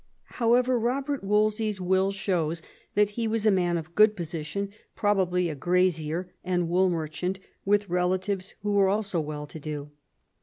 However, Eobert Wolsey's will show§ that he was a man of good position, probably a grazier and wool merchant, with relatives who were also well to do.